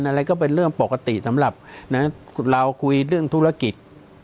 อะไรก็เป็นเรื่องปกติสำหรับเราคุยเรื่องธุรกิจ